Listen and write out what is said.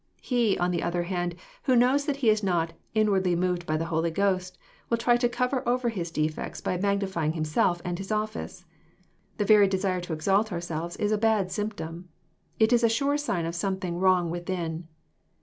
] He, on the other hand, who knows that he is not " inwardly mov^ by^the Holy Ghost," will try to cover over his defects by magnifying himself and his office. The very desire to exalt ourselves is a had symptom. It is a sure sign of something wrong within.